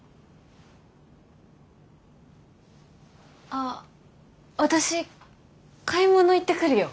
あ私買い物行ってくるよ。